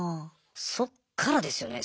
そっからですよね